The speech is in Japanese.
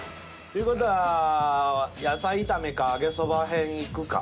という事は野菜炒めか揚げそば辺にいくか。